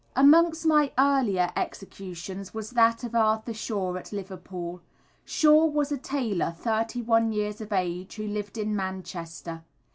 _ Amongst my earlier executions was that of Arthur Shaw at Liverpool. Shaw was a tailor, thirty one years of age, who lived in Manchester.